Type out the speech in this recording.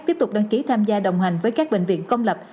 tiếp tục đăng ký tham gia đồng hành với các bệnh viện công lập